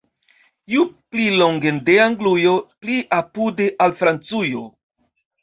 Ju pli longen de Anglujo, pli apude al Francujo!